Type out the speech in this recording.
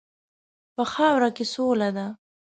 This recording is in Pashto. په خاوره کې سوله ده.